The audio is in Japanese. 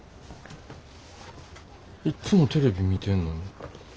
いっつもテレビ見てんのに。